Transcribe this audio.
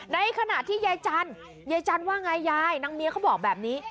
ในขณะที่ยายจันทร์ยายจันทร์ว่าไงยายนางเมียเขาบอกแบบนี้